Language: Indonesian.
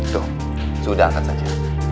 tuh sudah angkat saja